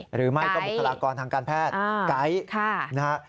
หรือไม่ก็บุคลากรทางการแพทย์ไก๊นะฮะ